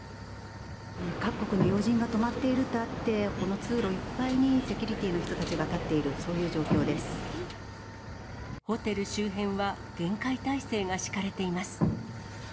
各国の要人が泊まっているとあって、この通路いっぱいにセキュリティーの人たちが立っている、そういホテル周辺は厳戒態勢が敷かれています。